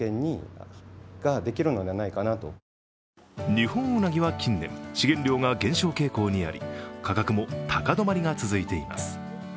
にほんうなぎは近年、資源量が減少傾向にあり価格も高止まりが続いています。